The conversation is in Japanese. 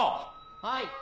はい。